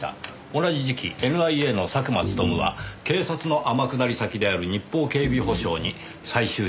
同じ時期ＮＩＡの佐久間勉は警察の天下り先である日邦警備保障に再就職しました。